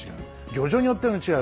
漁場によっても違う。